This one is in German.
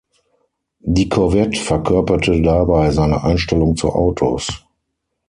Die Corvette verkörperte dabei seine Einstellung zu Autos.